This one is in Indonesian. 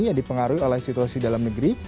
yang dipengaruhi oleh situasi dalam negeri